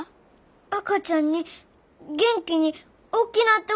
赤ちゃんに元気におっきなってほしい。